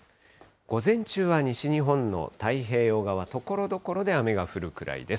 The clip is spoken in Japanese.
午前中は西日本の太平洋側、ところどころで雨が降るくらいです。